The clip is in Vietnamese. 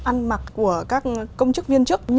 ăn mặc của các công chức viên chức